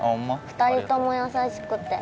２人とも優しくて。